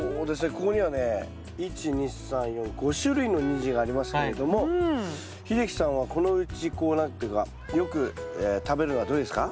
ここにはね１２３４５種類のニンジンがありますけれども秀樹さんはこのうちこう何ていうかよく食べるのはどれですか？